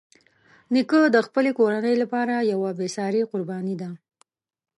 نیکه د خپلې کورنۍ لپاره یوه بېساري قرباني ده.